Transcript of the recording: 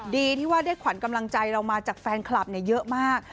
ดีที่ว่าได้ขวัญกำลังใจเรามาจากแฟนคลับเยอะมาก